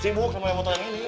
sibuk sama yang mau tanya ini